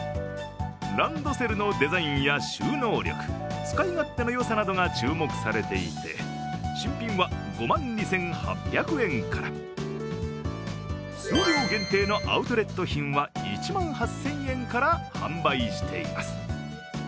ランドセルのデザインや収納力、使い勝手のよさなどが注目されていて、新品は５万２８００円から、数量限定のアウトレット品は１万８０００円から販売しています。